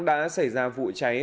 đã xảy ra vụ cháy